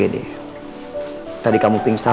ini kesempatan aku buat ngerjain dia